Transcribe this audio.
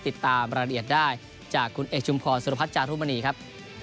ติดตามรายละเอียดได้จากคุณเอกชุมพรสุรพัฒน์จารุมณีครับ